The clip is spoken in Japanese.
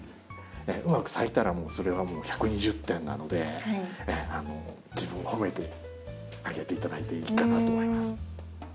うまく咲いたらそれはもう１２０点なので自分を褒めてあげていただいていいかなと思います。